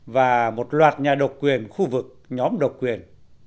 và một loạt nhà độc quyền khu vực nhóm độc quyền